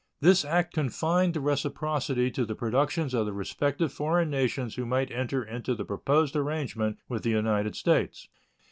This act confined the reciprocity to the productions of the respective foreign nations who might enter into the proposed arrangement with the United States.